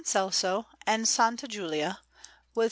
Celso and S. Julia, with S.